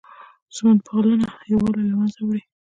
سمت پالنه یووالی له منځه وړي